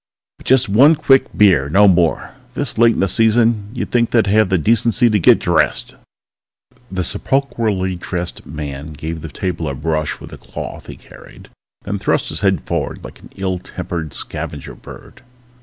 But just one quick beer, no more. This late in the season you'd think they'd have the decency to get dressed!_ The sepulchrally dressed man gave the table a brush with a cloth he carried, then thrust his head forward like an ill tempered scavenger bird.